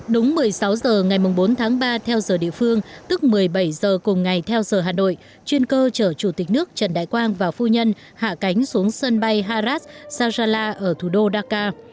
đúng một mươi sáu h ngày bốn tháng ba theo giờ địa phương tức một mươi bảy h cùng ngày theo giờ hà nội chuyên cơ chở chủ tịch nước trần đại quang và phu nhân hạ cánh xuống sân bay haras sajala ở thủ đô ddaka